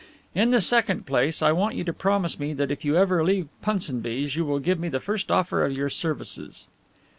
In the second place, I want you to promise me that if you ever leave Punsonby's you will give me the first offer of your services."